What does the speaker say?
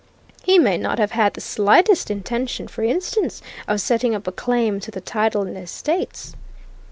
He may not have had the slightest intention, for instance, of setting up a claim to the title and estates."